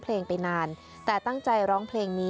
ตายร้ำพระต่อได้ป่าน